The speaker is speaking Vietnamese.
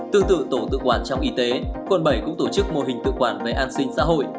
tương tự tổ tự quản trong y tế quận bảy cũng tổ chức mô hình tự quản về an sinh xã hội